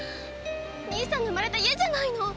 兄さんの生まれた家じゃないの！